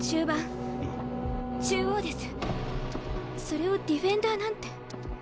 それをディフェンダーなんて。